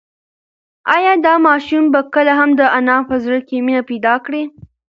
ایا دا ماشوم به کله هم د انا په زړه کې مینه پیدا کړي؟